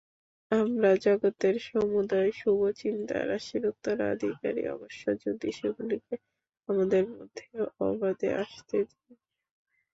আমরা জগতের সমুদয় শুভচিন্তারাশির উত্তরাধিকারী, অবশ্য যদি সেগুলিকে আমাদের মধ্যে অবাধে আসতে দিই।